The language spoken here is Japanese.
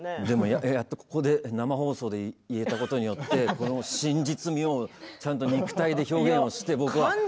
でも、やっとここで生放送で言えたことによってこの真実味をちゃんと肉体で表現して、僕は。